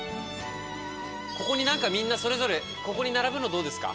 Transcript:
ここになんかみんなそれぞれここに並ぶのどうですか？